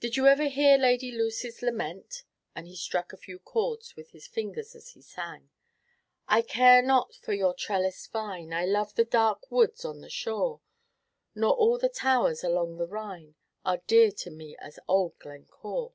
"Did you ever hear Lady Lucy's Lament?" And he struck a few chords with his fingers as he sang: "'I care not for your trellised vine, I love the dark woods on the shore, Nor all the towers along the Rhine Are dear to me as old Glencore.